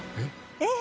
えっ！？